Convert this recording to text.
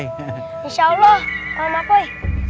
insya allah om apoy